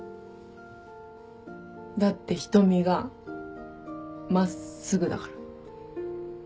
だって瞳が真っすぐだから。